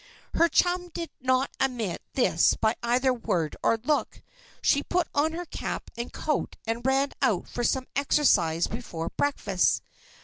Her chum did not admit this by either word or look. She put on her cap and coat and ran out for some exercise before breakfast.